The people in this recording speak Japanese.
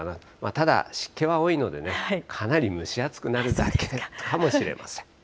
ただ、湿気は多いのでね、かなり蒸し暑くなるかもしれません。